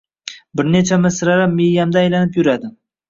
Bir necha misralar miyamda aylanib yuradi.